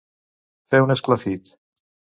Fer un esclafit.